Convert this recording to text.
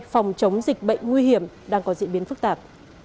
phòng chống dịch bệnh nguy hiểm đang có diễn biến phức tạp